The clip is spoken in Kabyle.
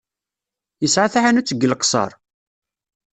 Yesɛa taḥanut deg Leqṣeṛ?